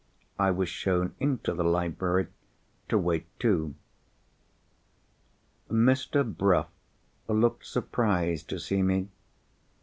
I was shown into the library to wait too. Mr. Bruff looked surprised to see me.